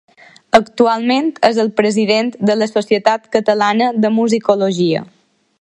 Actualment és el president de la Societat Catalana de Musicologia.